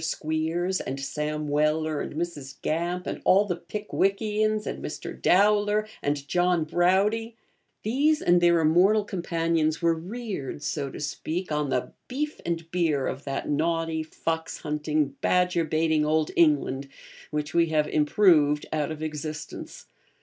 Squeers, and Sam Weller, and Mrs. Gamp, and all the Pickwickians, and Mr. Dowler, and John Browdie these and their immortal companions were reared, so to speak, on the beef and beer of that naughty, fox hunting, badger baiting old England, which we have improved out of existence.